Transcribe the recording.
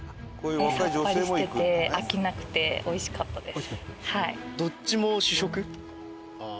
さっぱりしてて飽きなくておいしかったです。